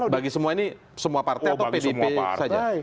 bagi semua ini semua partai atau pdip saja